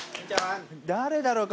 誰だろうか？